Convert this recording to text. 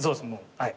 はい。